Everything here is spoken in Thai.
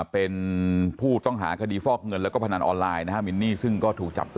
เป็นผู้ต้องหาคดีฟอกเงินแล้วก็พนันออนไลน์ซึ่งก็ถูกจับ